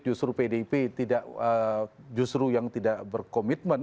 justru pdip yang tidak berkomitmen